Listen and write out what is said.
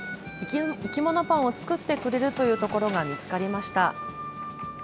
いきものパンを作ってくれるというところが見つかりました。